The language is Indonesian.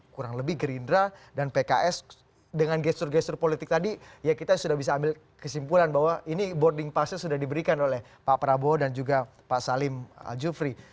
kurang lebih gerindra dan pks dengan gestur gestur politik tadi ya kita sudah bisa ambil kesimpulan bahwa ini boarding passnya sudah diberikan oleh pak prabowo dan juga pak salim al jufri